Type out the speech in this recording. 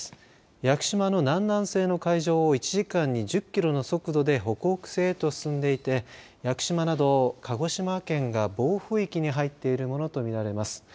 屋久島の南南西の海上を１時間に１０キロの速度で北北西へと進んでいて屋久島など鹿児島県が暴風域に入っているものと見られます。